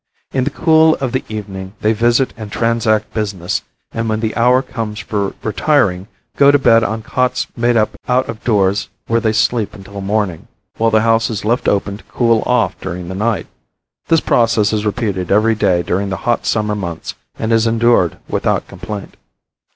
In the cool of the evening they visit and transact business and when the hour comes for retiring go to bed on cots made up out of doors where they sleep until morning, while the house is left open to cool off during the night. This process is repeated every day during the hot summer months and is endured without complaint.